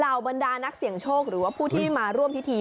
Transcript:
บรรดานักเสี่ยงโชคหรือว่าผู้ที่มาร่วมพิธี